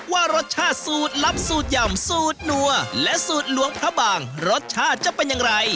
ว่ารสชาติสูตรลับสูตรยำสูตรนัวและสูตรหลวงพระบางรสชาติจะเป็นอย่างไร